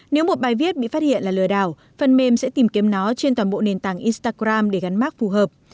nếu một bài viết bị phát hiện là lừa đảo phần mềm sẽ tìm kiếm nó trên toàn bộ nền tảng instagram để gắn mạc phù hợp